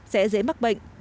sẽ dễ mắc bệnh